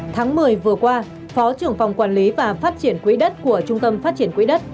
tháng một mươi vừa qua phó trưởng phòng quản lý và phát triển quỹ đất của trung tâm phát triển quỹ đất